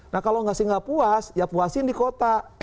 nah kalau ngasih nggak puas ya puasin di kota